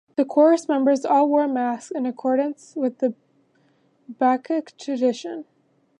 The chorus members all wore masks in accordance with Bacchic tradition.